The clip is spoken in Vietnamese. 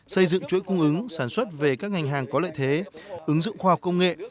xây dựng chuỗi cung ứng sản xuất về các ngành hàng có lợi thế ứng dụng khoa học công nghệ